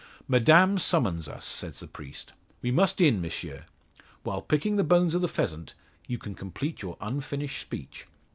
"Madame summons us," says the priest, "we must in, M'sieu. While picking the bones of the pheasant, you can complete your unfinished speech.